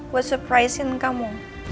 buat surprise in kamu